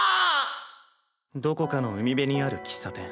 どこかの海辺にある喫茶店